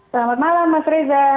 selamat malam mas riza